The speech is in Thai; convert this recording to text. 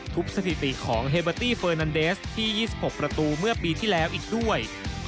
สถิติของเฮเบอร์ตี้เฟอร์นันเดสที่๒๖ประตูเมื่อปีที่แล้วอีกด้วย